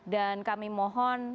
dan kami mohon